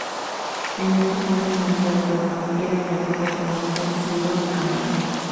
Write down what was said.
En estos años Montreal-Dorval era el aeropuerto más concurrido de Canadá.